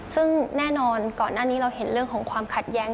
ซึ่งแน่นอนก่อนหน้านี้เราเห็นเรื่องของความขัดแย้ง